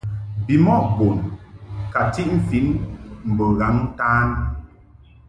Bimɔʼ bun ka ntiʼ mfin mbo ghaŋ-ntan.